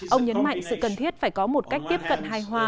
ông nhấn mạnh sự cần thiết phải có một cách tiếp cận hài hòa